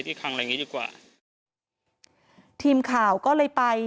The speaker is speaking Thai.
ทีมข่าวก็เลยไป